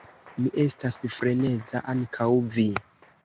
Mi estas freneza; ankaŭ vi!